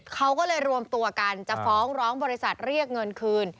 เขาก็เลยรวมตัวกันจะฟ้องร้องบริษัทเรียกเงินคืน